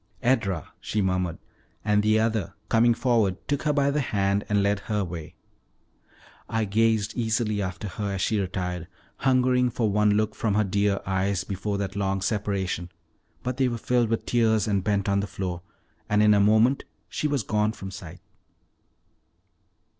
"Edra," she murmured; and the other, coming forward, took her by the hand and led her away. I gazed eagerly after her as she retired, hungering for one look from her dear eyes before that long separation; but they were filled with tears and bent on the floor, and in a moment she was gone from sight.